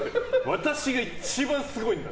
私が一番すごいんだ！